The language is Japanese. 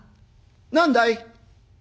「何だい？」。